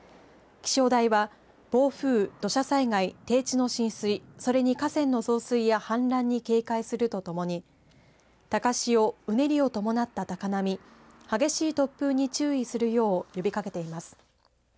気象台は暴風、土砂災害低地の浸水それに河川の増水や氾濫に警戒するとともに高潮、うねりを伴った高波激しい突風に注意するよう呼びかけています。